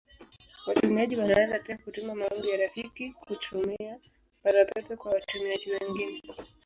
Watumiaji wanaweza pia kutuma maombi ya rafiki kutumia Barua pepe kwa watumiaji wengine.